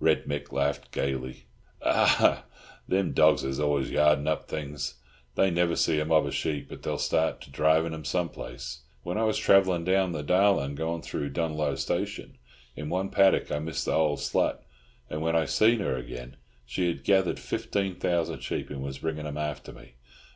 Red Mick laughed gaily. "Ah, thim dogs is always yardin' up things. They never see a mob of sheep, but they'll start to dhrive 'em some place. When I was travellin' down the Darlin', goin' through Dunloe Station, in one paddock I missed th' old slut, and when I see her again, she had gethered fifteen thousand sheep, and was bringin' 'em after me.